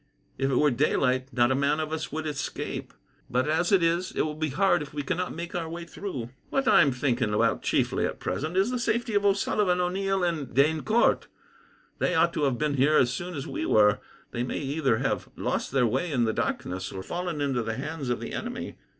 If it were daylight, not a man of us would escape; but as it is, it will be hard if we cannot make our way through. "What I am thinking about chiefly, at present, is the safety of O'Sullivan, O'Neil, and d'Eyncourt. They ought to have been here as soon as we were. They may either have lost their way in the darkness, or fallen into the hands of the enemy.